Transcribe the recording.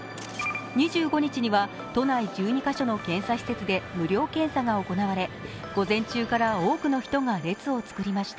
２５日には都内１２カ所の検査施設で無料検査が行われ午前中から多くの人が列を作りました。